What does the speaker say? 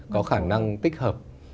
có khả năng tích hợp